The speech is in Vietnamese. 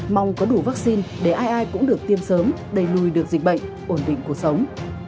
mong có đủ vaccine để ai ai cũng được tiêm sớm đầy lùi được dịch bệnh ổn định cuộc sống